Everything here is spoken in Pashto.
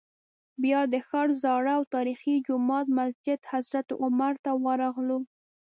بیا د ښار زاړه او تاریخي جومات مسجد حضرت عمر ته ورغلو.